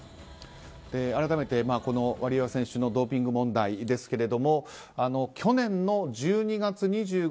改めて、ワリエワ選手のドーピング問題ですけれども去年の１２月２５日